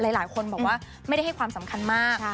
หลายคนบอกว่าไม่ได้ให้ความสำคัญมาก